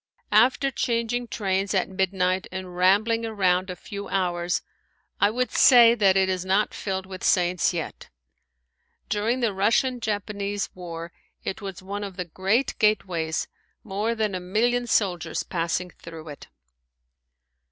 After changing trains at midnight and rambling around a few hours I would say that it is not filled with saints yet. During the Russian Japanese war it was one of the great gateways, more than a million soldiers passing through it.